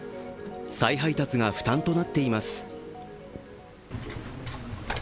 再配達が負担となっています。